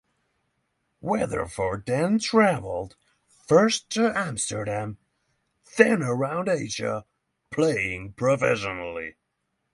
Weatherford then traveled, first to Amsterdam, then around Asia playing professionally.